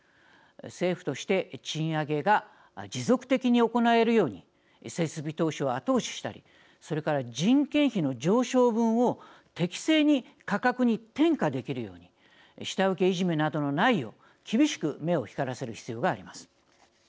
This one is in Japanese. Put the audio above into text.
政府として賃上げが持続的に行えるように設備投資を後押ししたりそれから、人件費の上昇分を適正に価格に転嫁できるように下請けいじめなどのないよう厳しく目を光らせる必要があります。